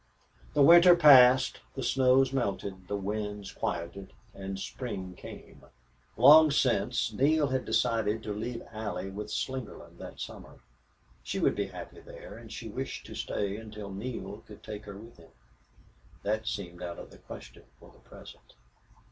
The winter passed, the snows melted, the winds quieted, and spring came. Long since Neale had decided to leave Allie with Slingerland that summer. She would be happy there, and she wished to stay until Neale could take her with him. That seemed out of the question for the present.